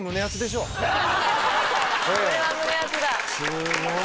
すごい！